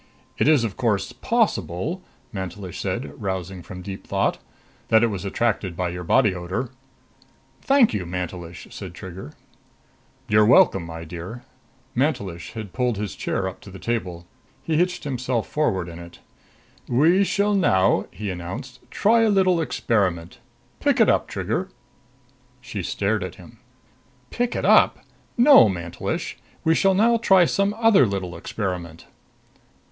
"It is, of course, possible," Mantelish said, arousing from deep thought, "that it was attracted by your body odor." "Thank you, Mantelish!" said Trigger. "You're welcome, my dear." Mantelish had pulled his chair up to the table; he hitched himself forward in it. "We shall now," he announced, "try a little experiment. Pick it up, Trigger." She stared at him. "Pick it up! No, Mantelish. We shall now try some other little experiment."